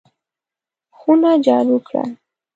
خونه جارو کړه!